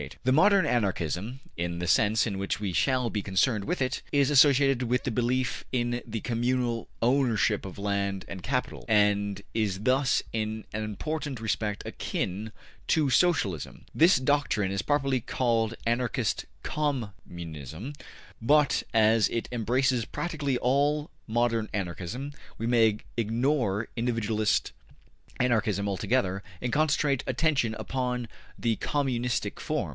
The modern Anarchism, in the sense in which we shall be concerned with it, is associated with belief in the communal ownership of land and capital, and is thus in an important respect akin to Socialism. This doctrine is properly called Anarchist Com munism, but as it embraces practically all modern Anarchism, we may ignore individualist Anarchism altogether and concentrate attention upon the communistic form.